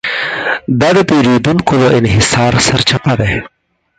دا د پېریدونکو له انحصار سرچپه دی.